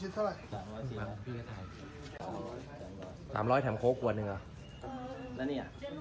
สวัสดีครับทุกคน